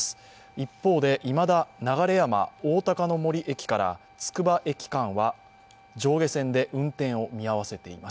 一方で、いまだ流山おおたかの森駅からつくば駅間は上下線で運転を見合わせています。